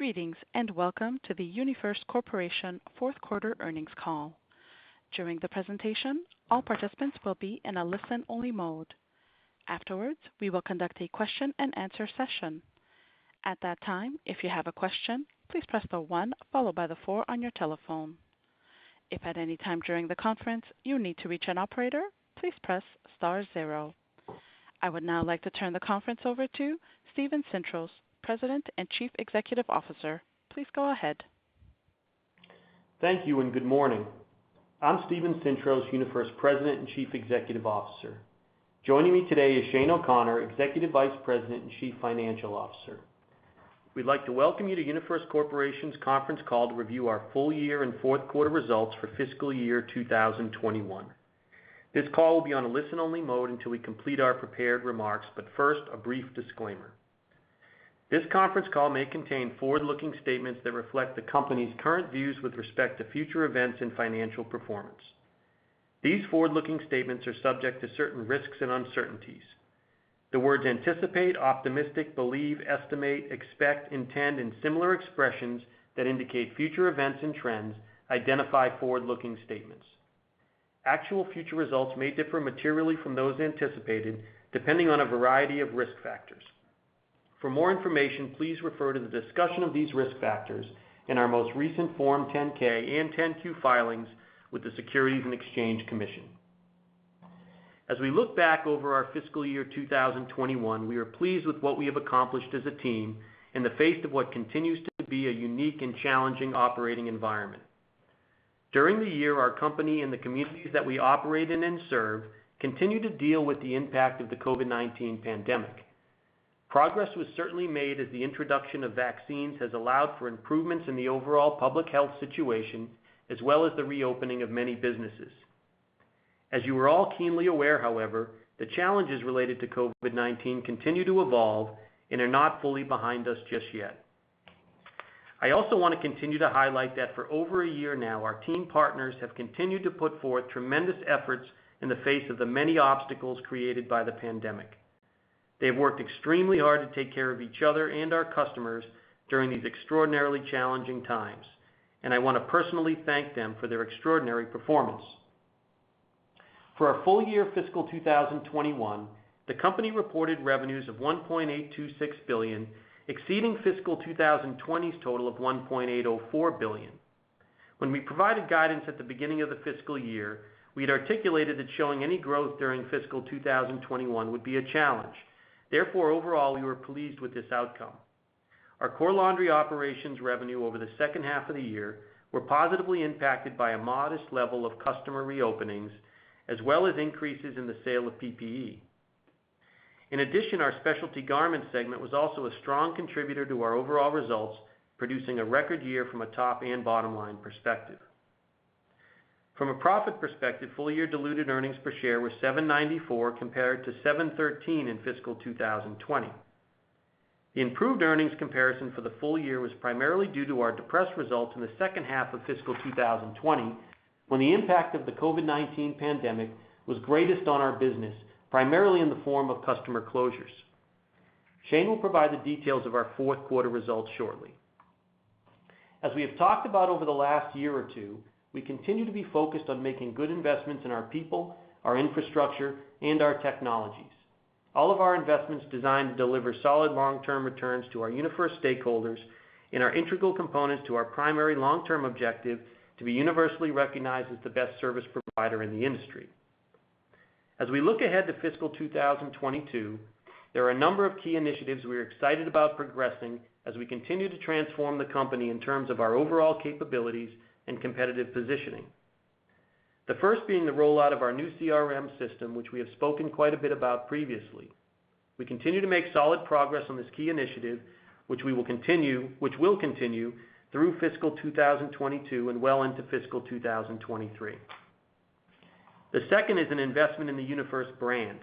Greetings, and welcome to the UniFirst Corporation fourth quarter earnings call. During the presentation, all participants will be in a listen-only mode. Afterwards, we will conduct a question and answer session. At that time if you have a question, please press the one followed by the four on your telephone. If at any time during the conference you need to reach an operator, please press star zero. I would now like to turn the conference over to Steven Sintros, President and Chief Executive Officer. Please go ahead. Thank you, and good morning. I'm Steven Sintros, UniFirst President and Chief Executive Officer. Joining me today is Shane O'Connor, Executive Vice President and Chief Financial Officer. We'd like to welcome you to UniFirst Corporation's conference call to review our full year and fourth quarter results for fiscal year 2021. This call will be on a listen-only mode until we complete our prepared remarks, but first, a brief disclaimer. This conference call may contain forward-looking statements that reflect the company's current views with respect to future events and financial performance. These forward-looking statements are subject to certain risks and uncertainties. The words anticipate, optimistic, believe, estimate, expect, intend, and similar expressions that indicate future events and trends, identify forward-looking statements. Actual future results may differ materially from those anticipated, depending on a variety of risk factors. For more information, please refer to the discussion of these risk factors in our most recent Form 10-K and 10-Q filings with the Securities and Exchange Commission. As we look back over our fiscal year 2021, we are pleased with what we have accomplished as a team in the face of what continues to be a unique and challenging operating environment. During the year, our company and the communities that we operate in and serve continued to deal with the impact of the COVID-19 pandemic. Progress was certainly made as the introduction of vaccines has allowed for improvements in the overall public health situation, as well as the reopening of many businesses. As you are all keenly aware, however, the challenges related to COVID-19 continue to evolve and are not fully behind us just yet. I also want to continue to highlight that for over a year now, our team partners have continued to put forth tremendous efforts in the face of the many obstacles created by the pandemic. They've worked extremely hard to take care of each other and our customers during these extraordinarily challenging times, and I want to personally thank them for their extraordinary performance. For our full year fiscal 2021, the company reported revenues of $1.826 billion, exceeding fiscal 2020's total of $1.804 billion. When we provided guidance at the beginning of the fiscal year, we'd articulated that showing any growth during fiscal 2021 would be a challenge. Overall, we were pleased with this outcome. Our Core Laundry operations revenue over the second half of the year were positively impacted by a modest level of customer reopenings, as well as increases in the sale of PPE. In addition, our Specialty Garments segment was also a strong contributor to our overall results, producing a record year from a top and bottom line perspective. From a profit perspective, full year diluted earnings per share were $7.94 compared to $7.13 in fiscal 2020. The improved earnings comparison for the full year was primarily due to our depressed results in the second half of fiscal 2020, when the impact of the COVID-19 pandemic was greatest on our business, primarily in the form of customer closures. Shane will provide the details of our fourth quarter results shortly. As we have talked about over the last year or two, we continue to be focused on making good investments in our people, our infrastructure, and our technologies. All of our investments designed to deliver solid long-term returns to our UniFirst stakeholders and are integral components to our primary long-term objective to be universally recognized as the best service provider in the industry. As we look ahead to fiscal 2022, there are a number of key initiatives we are excited about progressing as we continue to transform the company in terms of our overall capabilities and competitive positioning. The first being the rollout of our new CRM system, which we have spoken quite a bit about previously. We continue to make solid progress on this key initiative, which will continue through fiscal 2022 and well into fiscal 2023. The second is an investment in the UniFirst brand.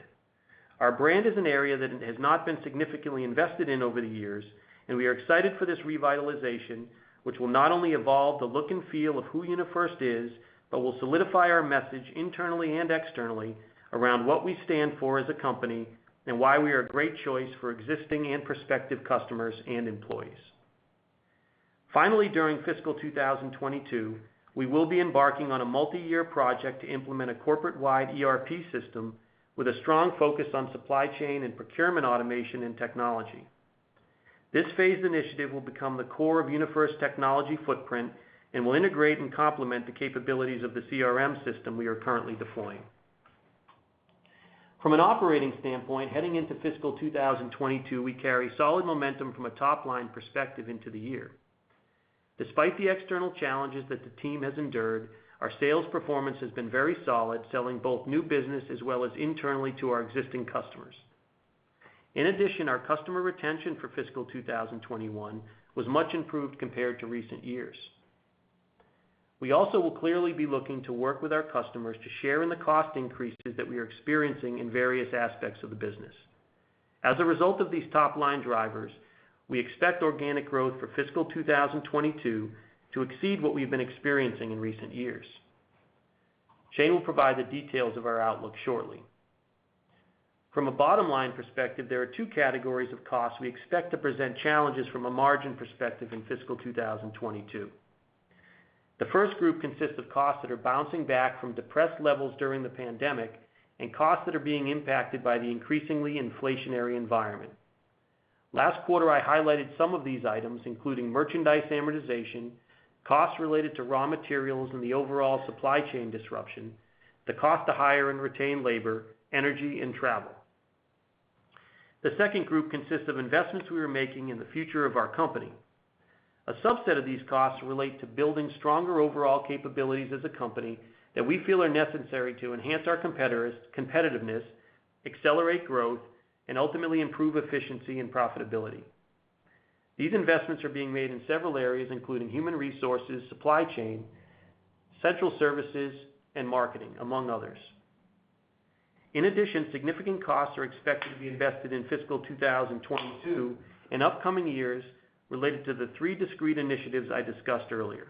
Our brand is an area that has not been significantly invested in over the years, and we are excited for this revitalization, which will not only evolve the look and feel of who UniFirst is, but will solidify our message internally and externally around what we stand for as a company and why we are a great choice for existing and prospective customers and employees. Finally, during fiscal 2022, we will be embarking on a multi-year project to implement a corporate-wide ERP system with a strong focus on supply chain and procurement automation and technology. This phased initiative will become the core of UniFirst technology footprint and will integrate and complement the capabilities of the CRM system we are currently deploying. From an operating standpoint heading into fiscal 2022, we carry solid momentum from a top-line perspective into the year. Despite the external challenges that the team has endured, our sales performance has been very solid, selling both new business as well as internally to our existing customers. In addition, our customer retention for fiscal 2021 was much improved compared to recent years. We also will clearly be looking to work with our customers to share in the cost increases that we are experiencing in various aspects of the business. As a result of these top-line drivers, we expect organic growth for fiscal 2022 to exceed what we've been experiencing in recent years. Shane will provide the details of our outlook shortly. From a bottom-line perspective, there are two categories of costs we expect to present challenges from a margin perspective in fiscal 2022. The first group consists of costs that are bouncing back from depressed levels during the pandemic and costs that are being impacted by the increasingly inflationary environment. Last quarter, I highlighted some of these items, including merchandise amortization, costs related to raw materials and the overall supply chain disruption, the cost to hire and retain labor, energy, and travel. The second group consists of investments we are making in the future of our company. A subset of these costs relate to building stronger overall capabilities as a company that we feel are necessary to enhance our competitiveness, accelerate growth, and ultimately improve efficiency and profitability. These investments are being made in several areas, including human resources, supply chain, central services, and marketing, among others. In addition, significant costs are expected to be invested in fiscal 2022, and upcoming years related to the three discrete initiatives I discussed earlier.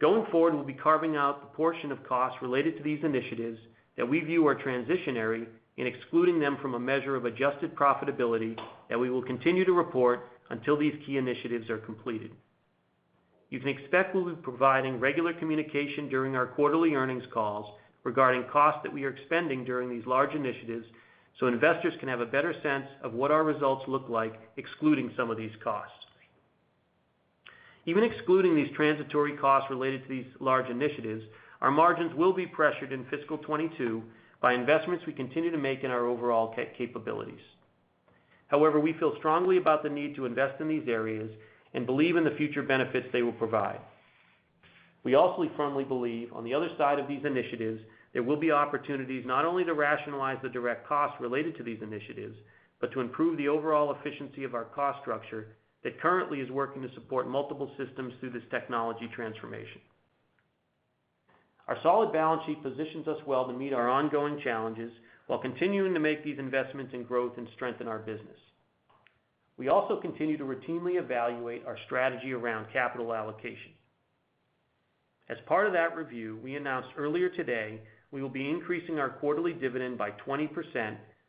Going forward, we'll be carving out the portion of costs related to these initiatives that we view are transitionary and excluding them from a measure of adjusted profitability that we will continue to report until these key initiatives are completed. You can expect we'll be providing regular communication during our quarterly earnings calls regarding costs that we are expending during these large initiatives so investors can have a better sense of what our results look like excluding some of these costs. Even excluding these transitory costs related to these large initiatives, our margins will be pressured in fiscal 2022 by investments we continue to make in our overall capabilities. However, we feel strongly about the need to invest in these areas and believe in the future benefits they will provide. We also firmly believe on the other side of these initiatives, there will be opportunities not only to rationalize the direct costs related to these initiatives, but to improve the overall efficiency of our cost structure that currently is working to support multiple systems through this technology transformation. Our solid balance sheet positions us well to meet our ongoing challenges while continuing to make these investments in growth and strengthen our business. We also continue to routinely evaluate our strategy around capital allocation. As part of that review, we announced earlier today, we will be increasing our quarterly dividend by 20%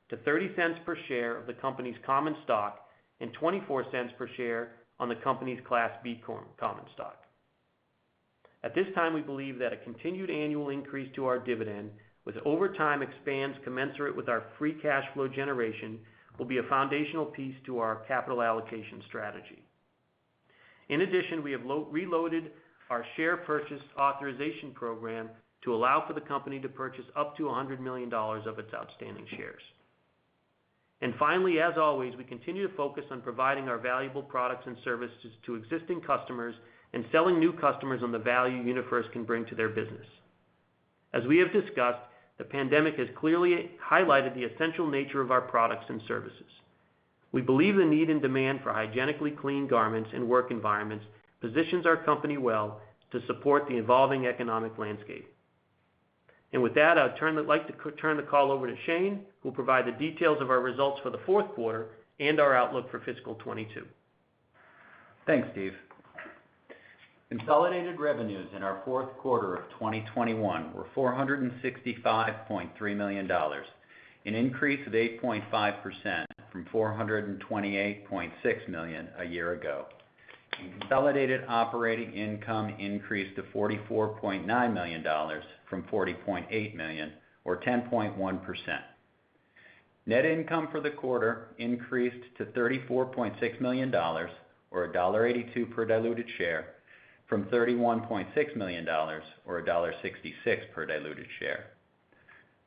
to $0.30 per share of the company's common stock and $0.24 per share on the company's Class B common stock. At this time, we believe that a continued annual increase to our dividend, with over time expands commensurate with our free cash flow generation, will be a foundational piece to our capital allocation strategy. In addition, we have reloaded our share purchase authorization program to allow for the company to purchase up to $100 million of its outstanding shares. Finally, as always, we continue to focus on providing our valuable products and services to existing customers and selling new customers on the value UniFirst can bring to their business. As we have discussed, the pandemic has clearly highlighted the essential nature of our products and services. We believe the need and demand for hygienically clean garments and work environments positions our company well to support the evolving economic landscape. With that, I'd like to turn the call over to Shane, who'll provide the details of our results for the fourth quarter and our outlook for fiscal 2022. Thanks, Steve. Consolidated revenues in our fourth quarter of 2021 were $465.3 million, an increase of 8.5% from $428.6 million a year ago. Consolidated operating income increased to $44.9 million from $40.8 million, or 10.1%. Net income for the quarter increased to $34.6 million, or $1.82 per diluted share, from $31.6 million, or $1.66 per diluted share.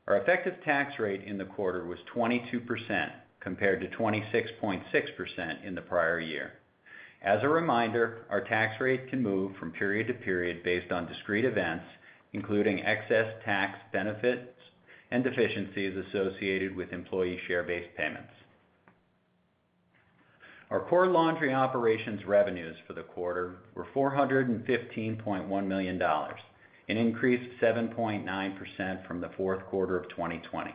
Our effective tax rate in the quarter was 22%, compared to 26.6% in the prior year. As a reminder, our tax rate can move from period to period based on discrete events, including excess tax benefits and deficiencies associated with employee share-based payments. Our Core Laundry operations revenues for the quarter were $415.1 million, an increase of 7.9% from the fourth quarter of 2020.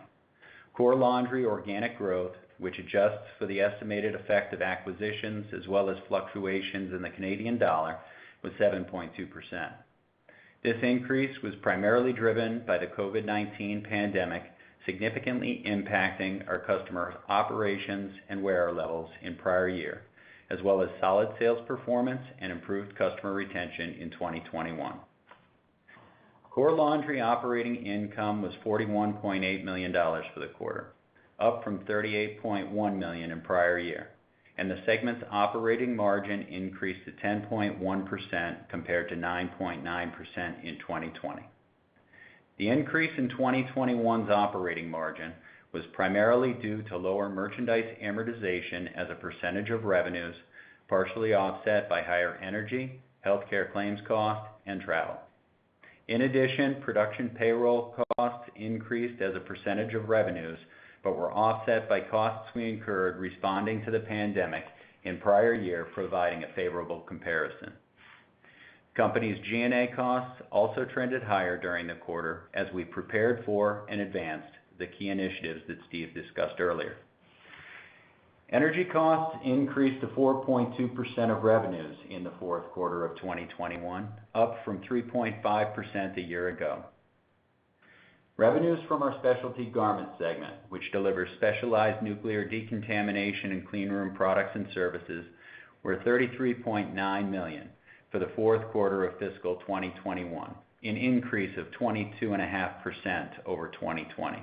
Core Laundry organic growth, which adjusts for the estimated effect of acquisitions as well as fluctuations in the Canadian dollar, was 7.2%. This increase was primarily driven by the COVID-19 pandemic, significantly impacting our customer operations and wear levels in prior year, as well as solid sales performance and improved customer retention in 2021. Core Laundry operating income was $41.8 million for the quarter, up from $38.1 million in prior year, and the segment's operating margin increased to 10.1%, compared to 9.9% in 2020. The increase in 2021's operating margin was primarily due to lower merchandise amortization as a percentage of revenues, partially offset by higher energy, healthcare claims cost and travel. In addition, production payroll costs increased as a percentage of revenues, but were offset by costs we incurred responding to the pandemic in prior year, providing a favorable comparison. Company's G&A costs also trended higher during the quarter as we prepared for and advanced the key initiatives that Steven discussed earlier. Energy costs increased to 4.2% of revenues in the fourth quarter of 2021, up from 3.5% a year ago. Revenues from our Specialty Garments segment, which delivers specialized nuclear decontamination and cleanroom products and services, were $33.9 million for the fourth quarter of fiscal 2021, an increase of 22.5% over 2020.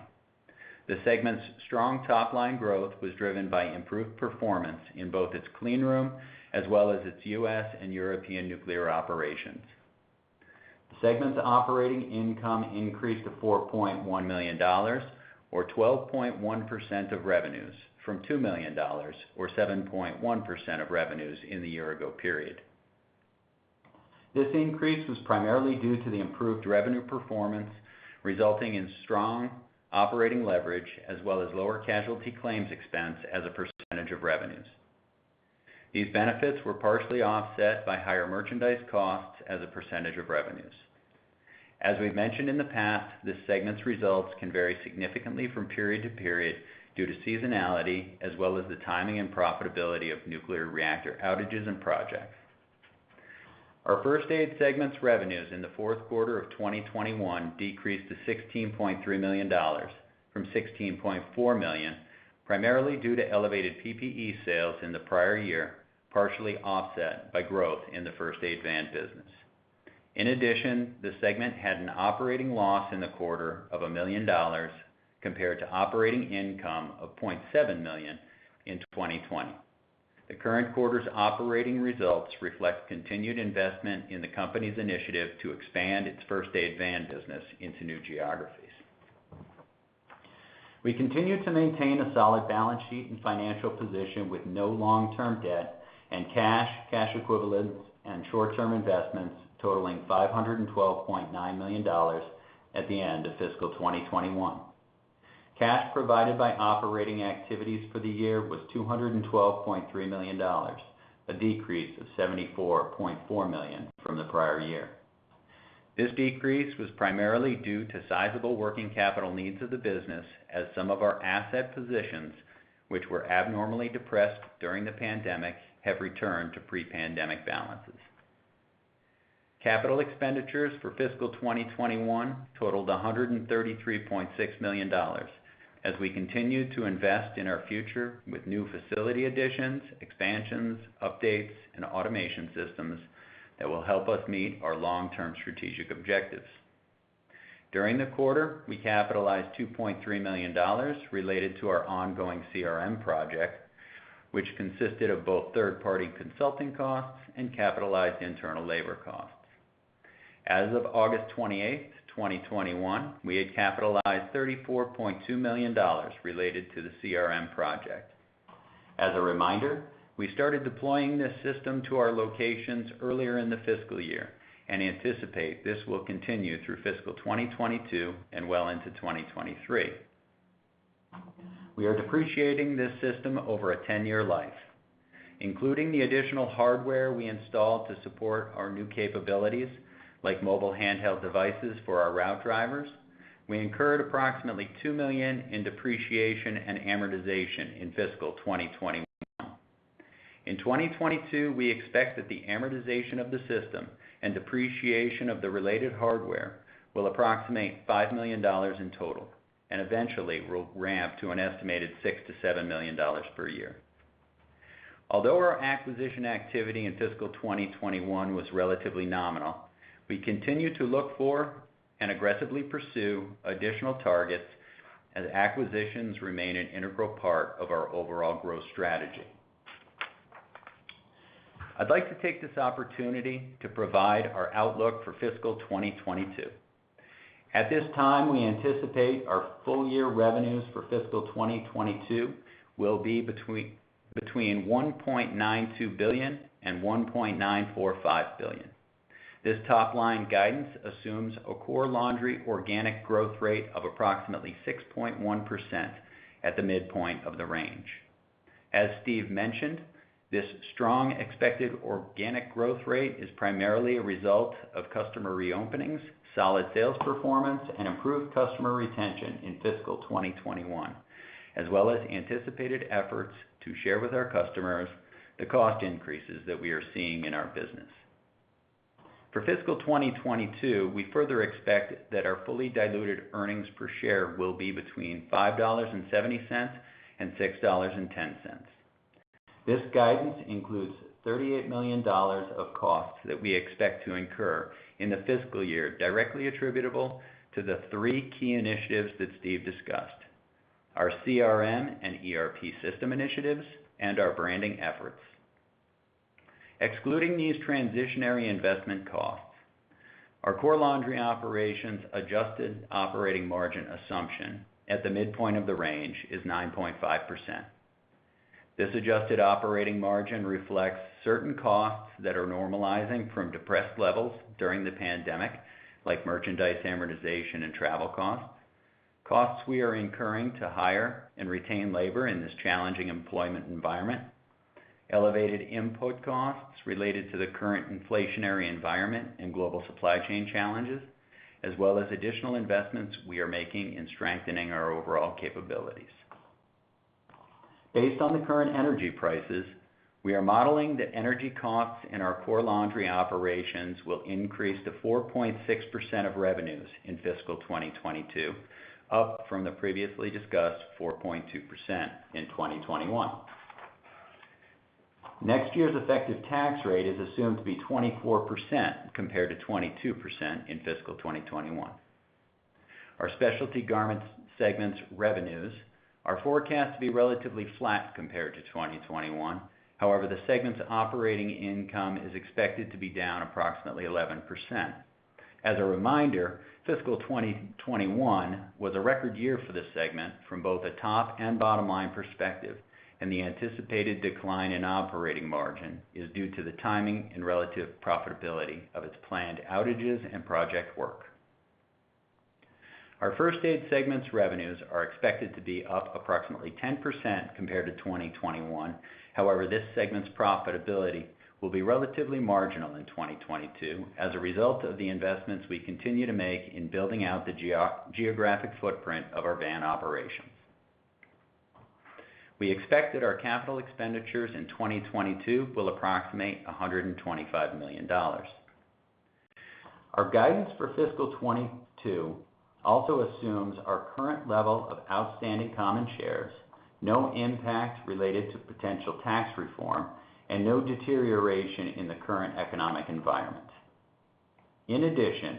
The segment's strong top-line growth was driven by improved performance in both its cleanroom as well as its U.S. and European nuclear operations. The segment's operating income increased to $4.1 million, or 12.1% of revenues, from $2 million, or 7.1% of revenues in the year ago period. This increase was primarily due to the improved revenue performance, resulting in strong operating leverage as well as lower casualty claims expense as a percentage of revenues. These benefits were partially offset by higher merchandise costs as a percentage of revenues. As we've mentioned in the past, this segment's results can vary significantly from period to period due to seasonality as well as the timing and profitability of nuclear reactor outages and projects. Our First Aid segment's revenues in the fourth quarter of 2021 decreased to $16.3 million from $16.4 million, primarily due to elevated PPE sales in the prior year, partially offset by growth in the First Aid van business, in addition the segment had an operating loss in the quarter of a million dollars compared to operating income of $0.7 million in 2020. The current quarter's operating results reflect continued investment in the company's initiative to expand its First Aid van business into new geographies. We continue to maintain a solid balance sheet and financial position with no long-term debt and cash equivalents, and short-term investments totaling $512.9 million at the end of fiscal 2021. Cash provided by operating activities for the year was $212.3 million, a decrease of $74.4 million from the prior year. This decrease was primarily due to sizable working capital needs of the business, as some of our asset positions, which were abnormally depressed during the pandemic, have returned to pre-pandemic balances. Capital expenditures for fiscal 2021 totaled $133.6 million as we continued to invest in our future with new facility additions, expansions, updates, and automation systems that will help us meet our long-term strategic objectives. During the quarter, we capitalized $2.3 million related to our ongoing CRM project, which consisted of both third-party consulting costs and capitalized internal labor costs. As of August 28th, 2021, we had capitalized $34.2 million related to the CRM project. As a reminder, we started deploying this system to our locations earlier in the fiscal year and anticipate this will continue through fiscal 2022 and well into 2023. We are depreciating this system over a 10-year life. Including the additional hardware we installed to support our new capabilities, like mobile handheld devices for our route drivers, we incurred approximately $2 million in depreciation and amortization in fiscal 2021. In 2022, we expect that the amortization of the system and depreciation of the related hardware will approximate $5 million in total and eventually will ramp to an estimated $6 million-$7 million per year. Although our acquisition activity in fiscal 2021 was relatively nominal, we continue to look for and aggressively pursue additional targets as acquisitions remain an integral part of our overall growth strategy. I'd like to take this opportunity to provide our outlook for fiscal 2022. At this time, we anticipate our full year revenues for fiscal 2022 will be between $1.92 billion and $1.945 billion. This top-line guidance assumes a Core Laundry organic growth rate of approximately 6.1% at the midpoint of the range. As Steven mentioned, this strong expected organic growth rate is primarily a result of customer reopenings, solid sales performance, and improved customer retention in fiscal 2021, as well as anticipated efforts to share with our customers the cost increases that we are seeing in our business. For fiscal 2022, we further expect that our fully diluted earnings per share will be between $5.70 and $6.10. This guidance includes $38 million of costs that we expect to incur in the fiscal year directly attributable to the three key initiatives that Steve discussed, our CRM and ERP system initiatives, and our branding efforts. Excluding these transitionary investment costs, our Core Laundry operations adjusted operating margin assumption at the midpoint of the range is 9.5%. This adjusted operating margin reflects certain costs that are normalizing from depressed levels during the pandemic, like merchandise amortization and travel costs we are incurring to hire and retain labor in this challenging employment environment, elevated input costs related to the current inflationary environment and global supply chain challenges, as well as additional investments we are making in strengthening our overall capabilities. Based on the current energy prices, we are modeling that energy costs in our Core Laundry operations will increase to 4.6% of revenues in fiscal 2022, up from the previously discussed 4.2% in 2021. Next year's effective tax rate is assumed to be 24%, compared to 22% in fiscal 2021. Our Specialty Garments segments revenues are forecast to be relatively flat compared to 2021. However, the segment's operating income is expected to be down approximately 11%. As a reminder, fiscal 2021 was a record year for this segment from both a top and bottom line perspective and the anticipated decline in operating margin is due to the timing and relative profitability of its planned outages and project work. Our First Aid segments revenues are expected to be up approximately 10% compared to 2021. However, this segment's profitability will be relatively marginal in 2022 as a result of the investments we continue to make in building out the geographic footprint of our van operations. We expect that our capital expenditures in 2022 will approximate $125 million. Our guidance for fiscal 2022 also assumes our current level of outstanding common shares, no impact related to potential tax reform, and no deterioration in the current economic environment. In addition,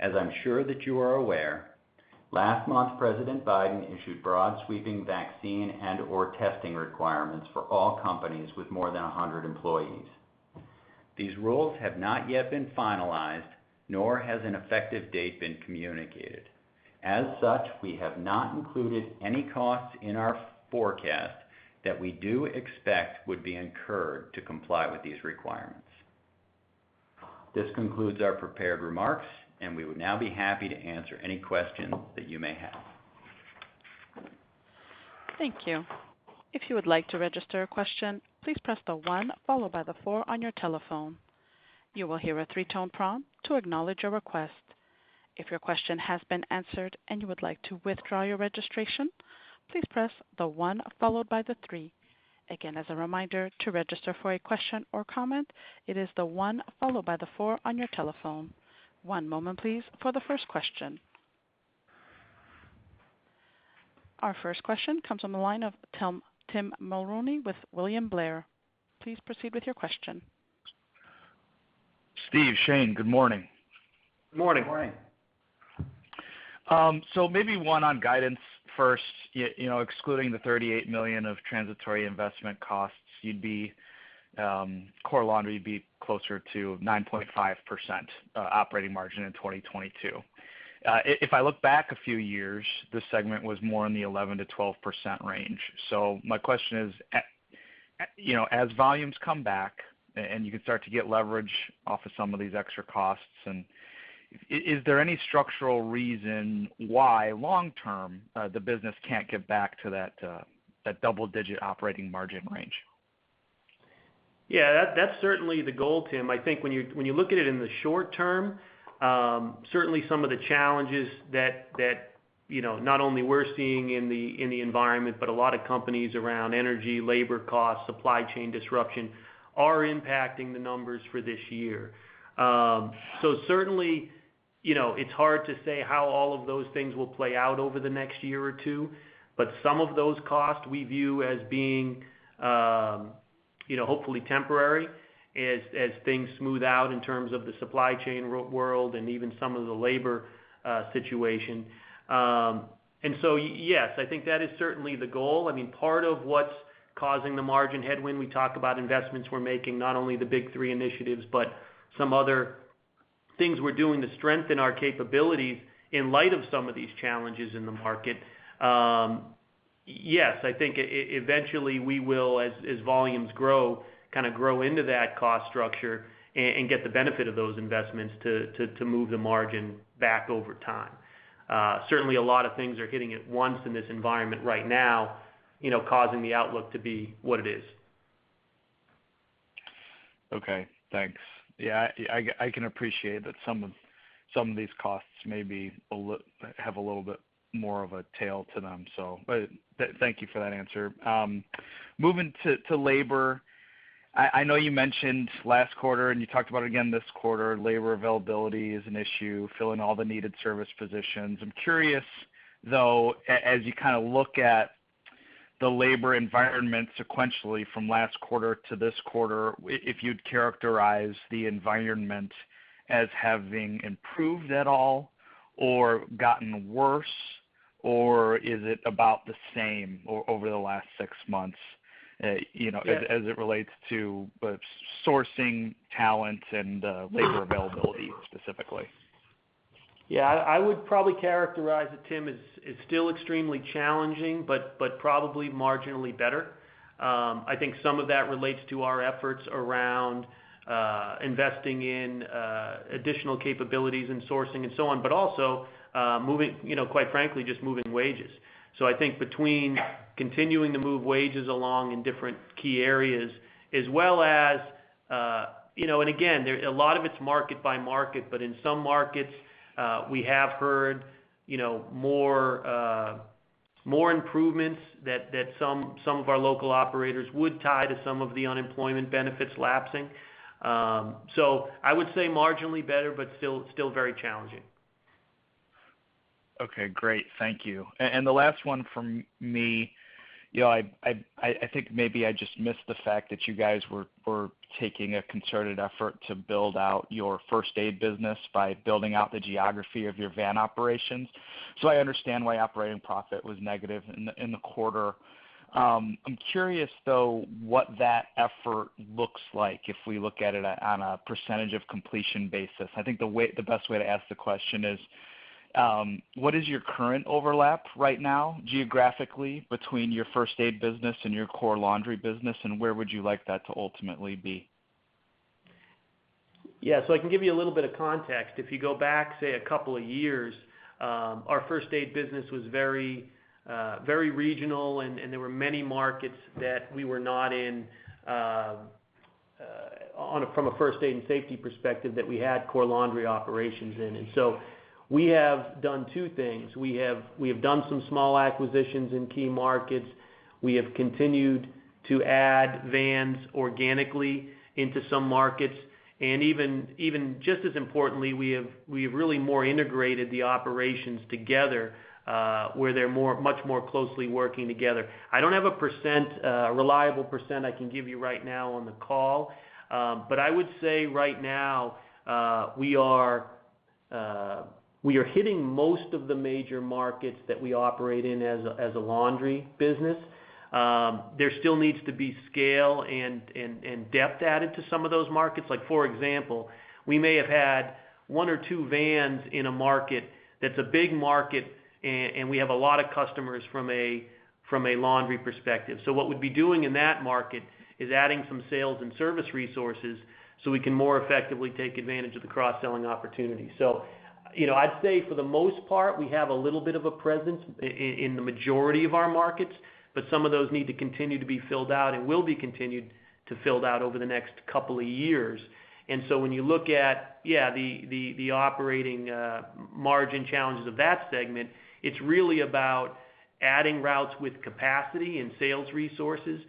as I'm sure that you are aware, last month, President Biden issued broad sweeping vaccine and/or testing requirements for all companies with more than 100 employees. These rules have not yet been finalized, nor has an effective date been communicated. As such, we have not included any costs in our forecast that we do expect would be incurred to comply with these requirements. This concludes our prepared remarks, and we would now be happy to answer any questions that you may have. Thank you. If you would like to register a question, please press the one followed by the four on your telephone. You will hear a three-tone prompt to acknowledge your request. If your question has been answered and you would like to withdraw your registration, please press the one followed by the three. Again, as a reminder, to register for a question or comment, it is the one followed by the four on your telephone. One moment please for the first question. Our first question comes on the line of Tim Mulrooney with William Blair. Please proceed with your question. Steve, Shane, good morning. Morning. Morning. Maybe one on guidance first. Excluding the $38 million of transitory investment costs, Core Laundry would be closer to 9.5% operating margin in 2022. If I look back a few years, this segment was more in the 11%-12% range. My question is, as volumes come back, and you can start to get leverage off of some of these extra costs, is there any structural reason why long term, the business can't get back to that double-digit operating margin range? That's certainly the goal, Tim. I think when you look at it in the short term, certainly some of the challenges that not only we're seeing in the environment, but a lot of companies around energy, labor costs, supply chain disruption, are impacting the numbers for this year. Certainly, it's hard to say how all of those things will play out over the next year or two, but some of those costs we view as being hopefully temporary as things smooth out in terms of the supply chain world and even some of the labor situation. Yes, I think that is certainly the goal. Part of what's causing the margin headwind, we talk about investments we're making, not only the big three initiatives, but some other things we're doing to strengthen our capabilities in light of some of these challenges in the market. Yes, I think eventually we will, as volumes grow into that cost structure and get the benefit of those investments to move the margin back over time. Certainly a lot of things are hitting at once in this environment right now, causing the outlook to be what it is. Okay, thanks. I can appreciate that some of these costs maybe have a little bit more of a tail to them. Thank you for that answer. Moving to labor, I know you mentioned last quarter, and you talked about it again this quarter, labor availability is an issue, filling all the needed service positions. I'm curious, though, as you look at the labor environment sequentially from last quarter to this quarter, if you'd characterize the environment as having improved at all, or gotten worse, or is it about the same over the last six months as it relates to sourcing talent and labor availability specifically? Yeah, I would probably characterize it, Tim, as still extremely challenging, but probably marginally better. I think some of that relates to our efforts around investing in additional capabilities in sourcing and so on, but also quite frankly, just moving wages. I think between continuing to move wages along in different key areas, as well as. Again, a lot of it's market by market, in some markets, we have heard more improvements that some of our local operators would tie to some of the unemployment benefits lapsing. I would say marginally better, but still very challenging. Okay, great. Thank you. The last one from me. I think maybe I just missed the fact that you guys were taking a concerted effort to build out your First Aid business by building out the geography of your van operations. I understand why operating profit was negative in the quarter. I am curious, though, what that effort looks like if we look at it on a percentage of completion basis. I think the best way to ask the question is, what is your current overlap right now, geographically, between your First Aid business and your Core Laundry business, and where would you like that to ultimately be? Yeah. I can give you a little bit of context. If you go back, say, a couple of years, our First Aid business was very regional, and there were many markets that we were not in, from a First Aid and safety perspective, that we had Core Laundry operations in. We have done two things. We have done some small acquisitions in key markets. We have continued to add vans organically into some markets. Even just as importantly, we have really more integrated the operations together, where they're much more closely working together. I don't have a reliable % I can give you right now on the call. I would say right now, we are hitting most of the major markets that we operate in as a laundry business. There still needs to be scale and depth added to some of those markets. Like for example, we may have had one or two vans in a market that's a big market, and we have a lot of customers from a laundry perspective. What we'd be doing in that market is adding some sales and service resources so we can more effectively take advantage of the cross-selling opportunity. I'd say for the most part, we have a little bit of a presence in the majority of our markets, but some of those need to continue to be filled out and will be continued to filled out over the next couple of years. When you look at the operating margin challenges of that segment, it's really about adding routes with capacity and sales resources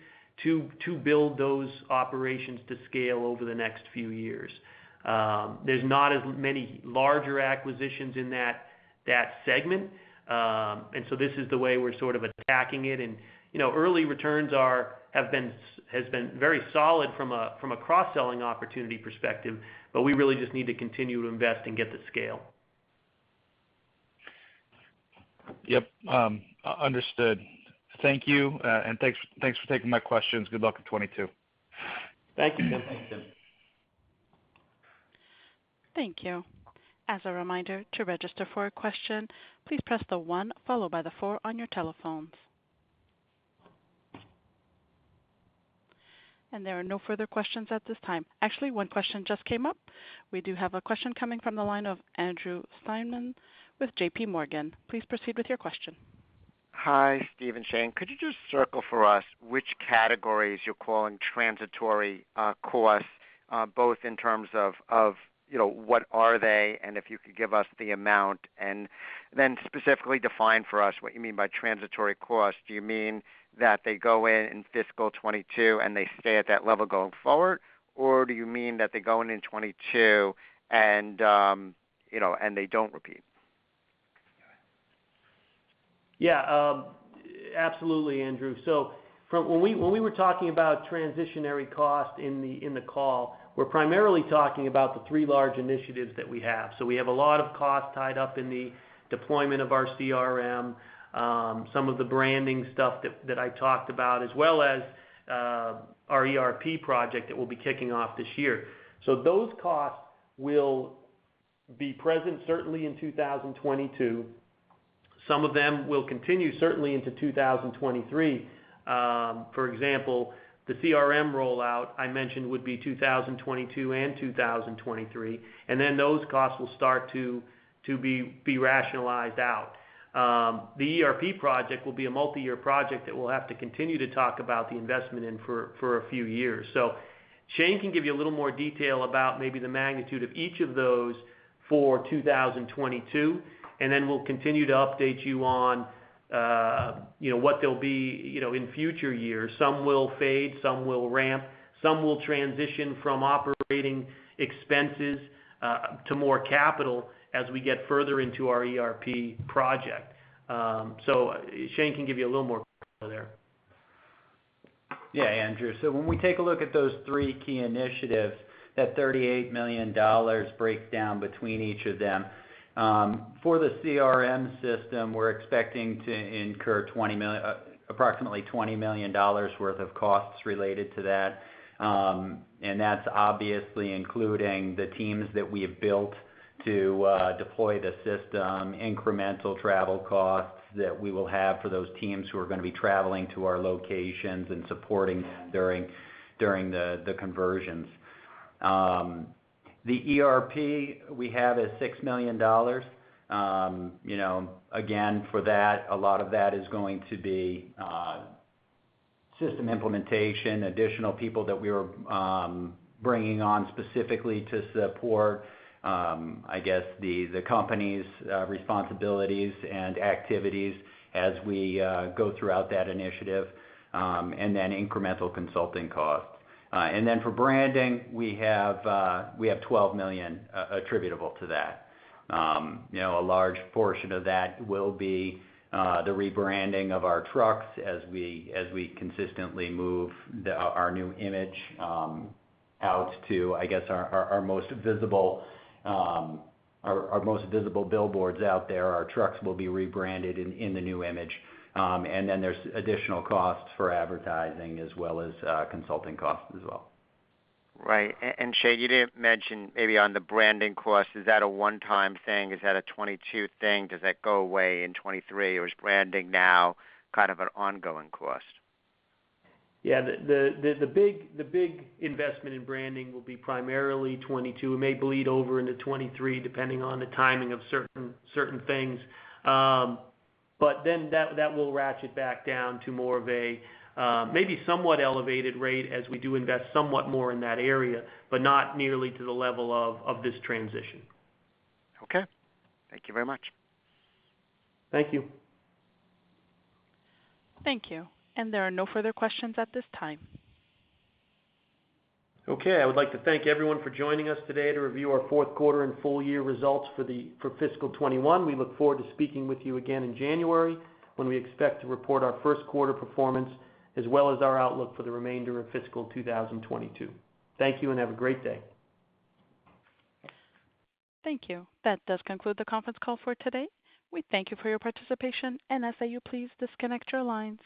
to build those operations to scale over the next few years. There's not as many larger acquisitions in that segment. This is the way we're sort of attacking it. Early returns has been very solid from a cross-selling opportunity perspective, but we really just need to continue to invest and get to scale. Yep. Understood. Thank you. Thanks for taking my questions. Good luck in 2022. Thank you, Tim. Thank you. As a reminder, to register for a question, please press the one followed by the four on your telephones. There are no further questions at this time. Actually, one question just came up. We do have a question coming from the line of Andrew Steinerman with JP Morgan. Please proceed with your question. Hi, Steve and Shane. Could you just circle for us which categories you're calling transitory costs, both in terms of what are they, and if you could give us the amount. Then specifically define for us what you mean by transitory costs. Do you mean that they go in in fiscal 2022 and they stay at that level going forward, or do you mean that they go in in 2022 and they don't repeat? Yeah. Absolutely, Andrew. When we were talking about transitionary cost in the call, we're primarily talking about the three large initiatives that we have. We have a lot of costs tied up in the deployment of our CRM, some of the branding stuff that I talked about, as well as our ERP project that we'll be kicking off this year. Those costs will be present certainly in 2022. Some of them will continue certainly into 2023. For example, the CRM rollout I mentioned would be 2022 and 2023, those costs will start to be rationalized out. The ERP project will be a multi-year project that we'll have to continue to talk about the investment in for a few years. Shane can give you a little more detail about maybe the magnitude of each of those for 2022, and then we'll continue to update you on what they'll be in future years. Some will fade, some will ramp, some will transition from operating expenses to more capital as we get further into our ERP project. Shane can give you a little more detail there. Yeah, Andrew. When we take a look at those three key initiatives, that $38 million breakdown between each of them. For the CRM system, we're expecting to incur approximately $20 million worth of costs related to that. That's obviously including the teams that we have built to deploy the system, incremental travel costs that we will have for those teams who are going to be traveling to our locations and supporting during the conversions. The ERP we have is $6 million. Again, for that a lot of that is going to be system implementation, additional people that we are bringing on specifically to support, I guess, the company's responsibilities and activities as we go throughout that initiative, then incremental consulting costs. Then for branding, we have $12 million attributable to that. A large portion of that will be the rebranding of our trucks as we consistently move our new image out to, I guess, our most visible billboards out there. Our trucks will be rebranded in the new image. There's additional costs for advertising, as well as consulting costs as well. Right. Shane, you didn't mention maybe on the branding cost, is that a one-time thing? Is that a 2022 thing? Does that go away in 2023, or is branding now kind of an ongoing cost? Yeah. The big investment in branding will be primarily 2022. It may bleed over into 2023, depending on the timing of certain things. That will ratchet back down to more of a maybe somewhat elevated rate as we do invest somewhat more in that area, but not nearly to the level of this transition. Okay. Thank you very much. Thank you. Thank you. There are no further questions at this time. Okay, I would like to thank everyone for joining us today to review our fourth quarter and full year results for fiscal 2021. We look forward to speaking with you again in January when we expect to report our first quarter performance, as well as our outlook for the remainder of fiscal 2022. Thank you, and have a great day. Thank you. That does conclude the conference call for today. We thank you for your participation, and I ask that you please disconnect your lines.